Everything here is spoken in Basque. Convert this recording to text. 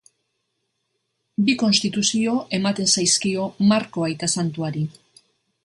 Bi konstituzio ematen zaizkio Marko aita santuari.